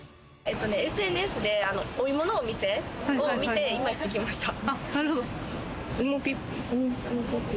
ＳＮＳでお芋のお店を見て今、行ってきました。